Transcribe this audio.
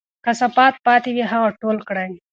که کثافات پاتې وي، هغه ټول کړئ.